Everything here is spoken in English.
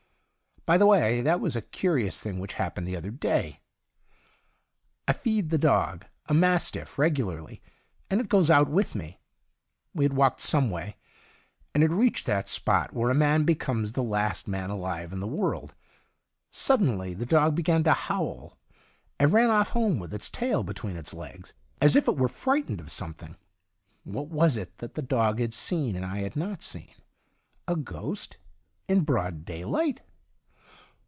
By the way, that was a curious thing which happened the other day. I feed the dog, a mastiff, regularly, and it goes out with me. We had walked some way, and had reached that spot Avhere a man becomes the last man alive in the world. Sud denly the dog began to howl, and ran off home with its tail between its legs, as if it were frightened of 17 THE DIARY OF A GOD something. What was it that the dog had seen and I had not seen ? A ghost ? In broad daylight